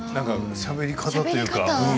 しゃべり方というか。